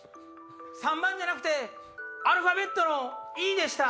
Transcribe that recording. ３番じゃなくてアルファベットのＥでした。